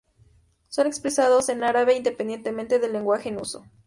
Son expresados en árabe independientemente del lenguaje en uso.